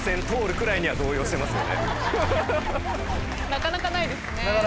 なかなかないですね。